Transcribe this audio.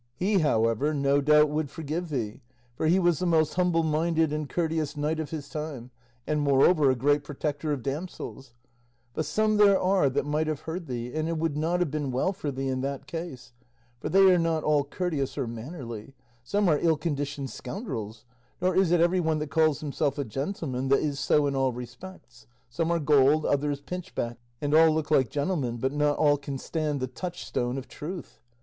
He, however, no doubt would forgive thee, for he was the most humble minded and courteous knight of his time, and moreover a great protector of damsels; but some there are that might have heard thee, and it would not have been well for thee in that case; for they are not all courteous or mannerly; some are ill conditioned scoundrels; nor is it everyone that calls himself a gentleman, that is so in all respects; some are gold, others pinchbeck, and all look like gentlemen, but not all can stand the touchstone of truth.